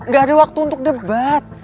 gak ada waktu untuk debat